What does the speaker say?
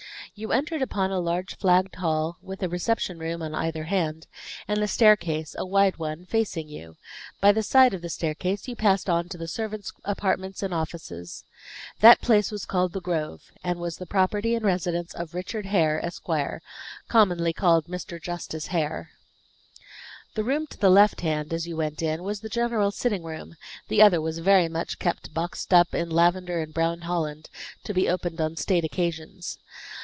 You entered upon a large flagged hall with a reception room on either hand, and the staircase, a wide one, facing you; by the side of the staircase you passed on to the servants' apartments and offices. That place was called the Grove, and was the property and residence of Richard Hare, Esq., commonly called Mr. Justice Hare. The room to the left hand, as you went in, was the general sitting room; the other was very much kept boxed up in lavender and brown Holland, to be opened on state occasions.